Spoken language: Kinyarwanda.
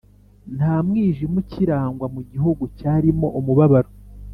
Nta mwijima ukirangwa mu gihugu cyarimo umubabaro.